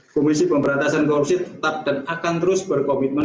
komisi pemberantasan korupsi tetap dan akan terus berkomitmen